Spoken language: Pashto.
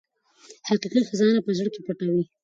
حقیقي خزانه په زړه کې پټه وي.